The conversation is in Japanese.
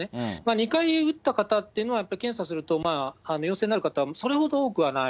２回打った方っていうのは、やっぱり検査すると、まあ陽性になる方、それほど多くはない。